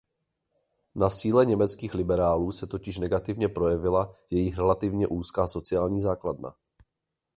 Na síle německých liberálů se totiž negativně projevila jejich relativně úzká sociální základna.